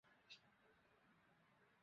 Hello, hello, hello!